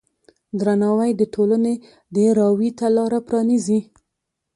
درناوی د ټولنې د راوي ته لاره پرانیزي.